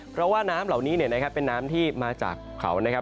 เพราะว่าน้ำเหล่านี้นะครับเป็นน้ำที่มาจากเขานะครับ